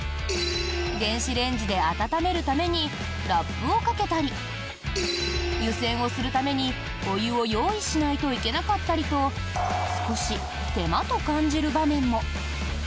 電子レンジで温めるためにラップをかけたり湯煎をするために、お湯を用意しないといけなかったりと少し手間と感じる場面も。